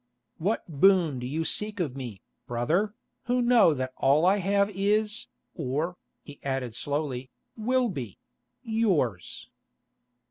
"What boon do you seek of me, brother, who know that all I have is, or," he added slowly, "will be—yours?"